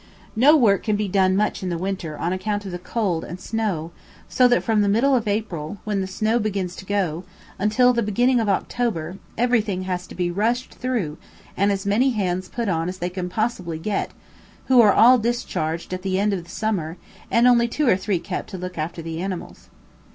No work can be done much in the winter on account of the cold and snow, so that from the middle of April, when the snow begins to go, until the beginning of October everything has to be rushed through and as many hands put on as they can possibly get, who are all discharged at the end of the summer and only two or three kept to look after the animals.